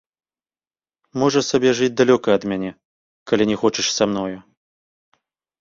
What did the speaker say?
Можаш сабе жыць далёка ад мяне, калі не хочаш са мною.